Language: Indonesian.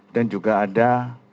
dan juga ada